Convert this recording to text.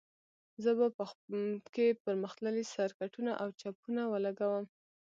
زه به په کې پرمختللي سرکټونه او چپونه ولګوم